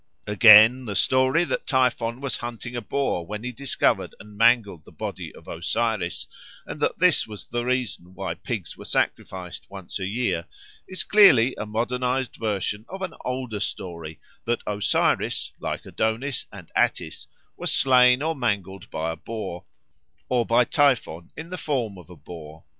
Again, the story that Typhon was hunting a boar when he discovered and mangled the body of Osiris, and that this was the reason why pigs were sacrificed once a year, is clearly a modernised version of an older story that Osiris, like Adonis and Attis, was slain or mangled by a boar, or by Typhon in the form of a boar.